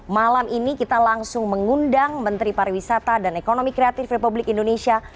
malam ini kita langsung mengundang menteri pariwisata dan ekonomi kreatif republik indonesia